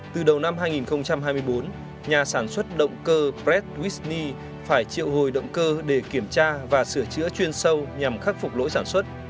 từ đầu năm hai nghìn hai mươi bốn nhà sản xuất động cơ brett wisney phải triệu hồi động cơ để kiểm tra và sửa chữa chuyên sâu nhằm khắc phục lỗi sản xuất